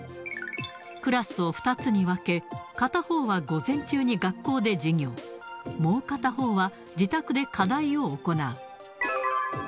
クラスを２つに分け、片方が午前中に学校で授業、もう片方は自宅で課題を行う。